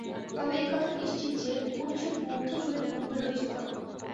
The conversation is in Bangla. তবে এ-কথা নিশ্চিত যে, উপনিষদ বৌদ্ধযুগের পূর্বে রচিত।